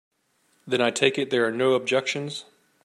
Then I take it there are no objections.